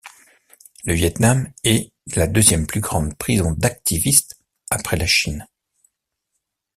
Le Viêt Nam est la deuxième plus grande prison d'activistes après la Chine.